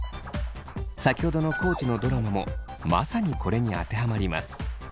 先ほどの地のドラマもまさにこれに当てはまります。